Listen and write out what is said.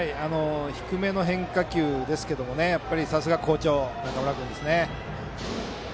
低めの変化球でしたけどさすが好調の中村君ですね。